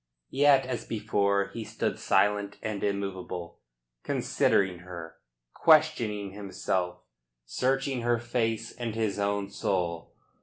Yet, as before, he stood silent and immovable, considering her, questioning himself, searching her face and his own soul.